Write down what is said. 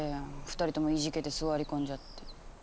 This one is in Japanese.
２人ともいじけて座り込んじゃって。